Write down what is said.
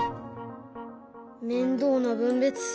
面倒な分別。